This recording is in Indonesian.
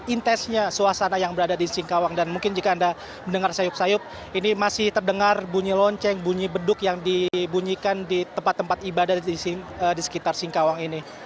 intesnya suasana yang berada di singkawang dan mungkin jika anda mendengar sayup sayup ini masih terdengar bunyi lonceng bunyi beduk yang dibunyikan di tempat tempat ibadah di sekitar singkawang ini